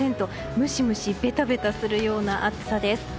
ムシムシベタベタするような暑さです。